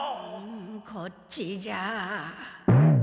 こっちじゃ。